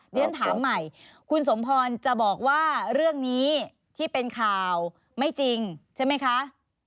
เรียนถามใหม่คุณสมพรจะบอกว่าเรื่องนี้ที่เป็นข่าวไม่จริงใช่ไหมคะ